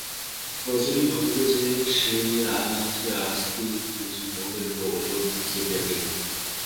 রজনী ভাবিল যে, সে কাছে আসাতেই বুঝি মহেন্দ্র অন্যত্র চলিয়া গেল।